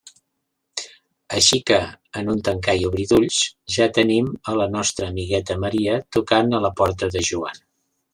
Així que, en un tancar i obrir d'ulls, ja tenim a la nostra amigueta Maria tocant a la porta de Joan.